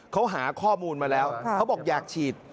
เขาหาข้อมูลมาแล้วเขาบอกอยากฉีด